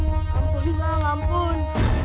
laman itu itu laman